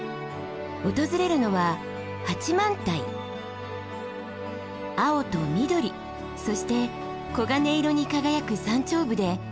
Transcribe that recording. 訪れるのは青と緑そして黄金色に輝く山頂部で秋を満喫します。